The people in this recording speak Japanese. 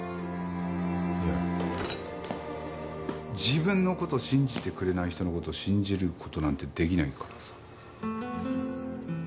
いや自分の事を信じてくれない人の事を信じる事なんて出来ないからさ。